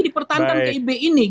di pertandang kib ini